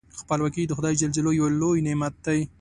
خپلواکي د خدای جل جلاله یو لوی نعمت دی.